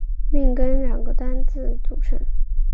命根两个单字组成。